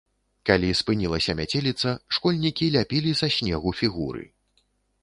Калі спынілася мяцеліца, школьнікі ляпілі са снегу фігуры.